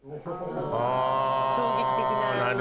あ衝撃的な。